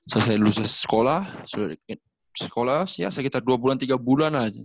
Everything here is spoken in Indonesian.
saya lulusnya sekolah sekolah ya sekitar dua bulan tiga bulan aja